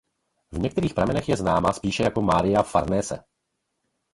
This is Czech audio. V některých pramenech je známá spíše jako "Maria Farnese".